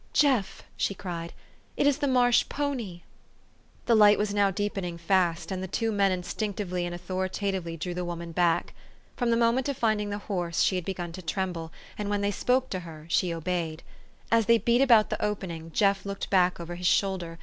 " Jeff! " she cried, " it is the marsh pony !" The light was now deepening fast, and the two men instinctively and authoritatively drew the woman back. From the moment of finding the horse, she had begun to tremble, and when they spoke to her she obeyed. As they beat about the opening, Jeff looked back over his shoulder.